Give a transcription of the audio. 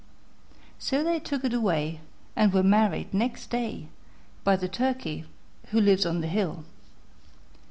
So they took it away, and were married next day By the Turkey who lives on the hill.